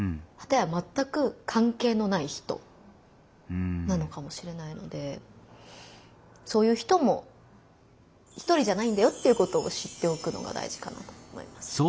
かたやまったく関係のない人なのかもしれないのでそういう人も一人じゃないんだよっていうことを知っておくのが大事かなと思います。